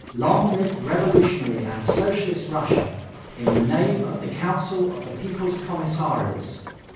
Long live revolutionary and Socialist Russia! In the name of the Council of People's Commissaries, L.